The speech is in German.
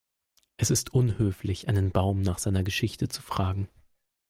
Es ist unhöflich, einen Baum nach seiner Geschichte zu fragen.